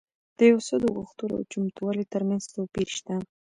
د يو څه د غوښتلو او چمتووالي ترمنځ توپير شته.